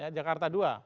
ya jakarta dua